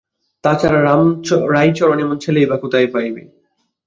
তা ছাড়া, রাইচরণ এমন ছেলেই বা কোথায় পাইবে।